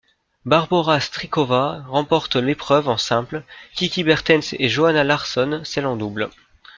Barbora Strýcová remporte l'épreuve en simple, Kiki Bertens et Johanna Larsson celle en double.